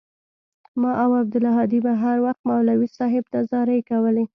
ما او عبدالهادي به هروخت مولوى صاحب ته زارۍ کولې.